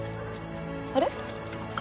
あれ？